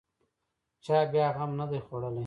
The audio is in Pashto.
چا بیا غم نه دی خوړلی.